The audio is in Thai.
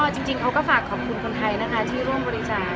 จริงเขาก็ฝากขอบคุณคนไทยนะคะที่ร่วมบริจาค